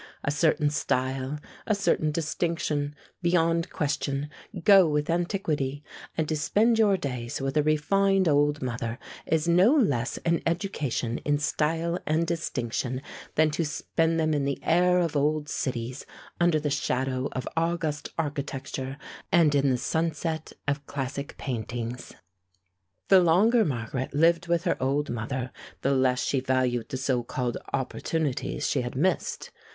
A certain style, a certain distinction, beyond question, go with antiquity, and to spend your days with a refined old mother is no less an education in style and distinction than to spend them in the air of old cities, under the shadow of august architecture and in the sunset of classic paintings. The longer Margaret lived with her old mother, the less she valued the so called "opportunities" she had missed.